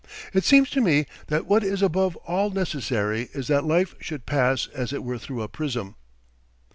It seems to me that what is above all necessary is that life should pass as it were through a prism."